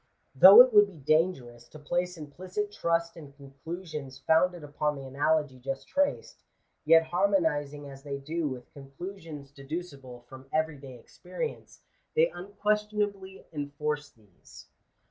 Though it would be dangerous to place implicit trust in conclusions founded upon the analogy just traced, yet harmonizing as they do with conclusions deducible from every day experience, they unquestionably enforce these.